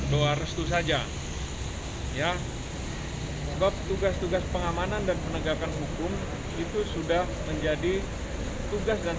doa restu saja ya tugas tugas pengamanan dan penegakan hukum itu sudah menjadi tugas dan